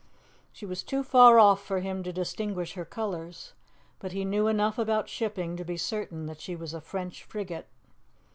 She was too far off for him to distinguish her colours, but he knew enough about shipping to be certain that she was a French frigate.